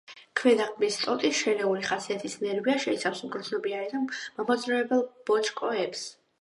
ქვედა ყბის ტოტი შერეული ხასიათის ნერვია, შეიცავს მგრძნობიარე და მამოძრავებელ ბოჭკოებს.